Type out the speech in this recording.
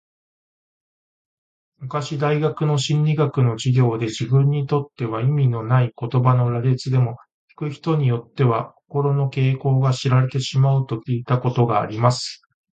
昔大学の心理学の授業で、自分にとっては意味のない言葉の羅列でも、聞く人によっては、心の傾向が知られてしまうと聞いたことがあります。